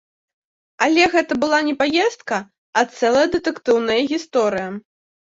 Але гэта была не паездка, а цэлая дэтэктыўная гісторыя.